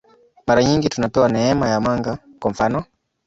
Mara nyingi tunapewa neema ya mwanga, kwa mfanof.